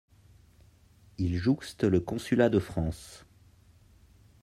Il jouxte le consulat de France.